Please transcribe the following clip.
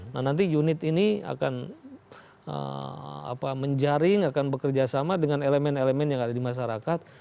nah nanti unit ini akan menjaring akan bekerjasama dengan elemen elemen yang ada di masyarakat